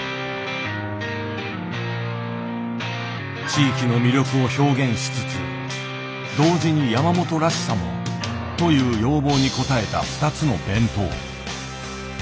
地域の魅力を表現しつつ同時に山本らしさもという要望に応えた二つの弁当。